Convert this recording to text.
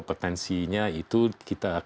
mereka dari mencih touredo itu tidak